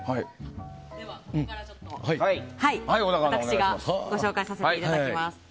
ここからは私がご紹介させていただきます。